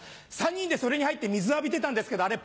３人でそれに入って水浴びてたんですけどあれ